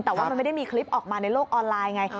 แต่ว่ามันไม่ได้มีคลิปออกมาในโลกออนไลน์ไง